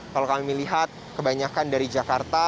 kalau kami lihat kebanyakan dari jakarta